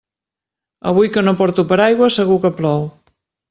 Avui que no porto paraigua segur que plou.